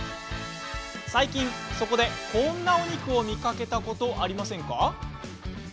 最近そこで、こんなお肉を見かけたことありませんか？